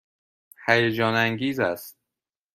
هیجان انگیز است.